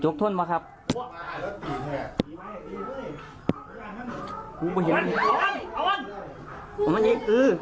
ขวัญได้